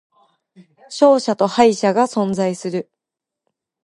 勝者と敗者が存在する